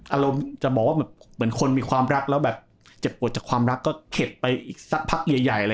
อารมณ์จะบอกว่าเหมือนคนมีความรักแล้วแบบเจ็บปวดจากความรักก็เข็ดไปอีกสักพักใหญ่เลย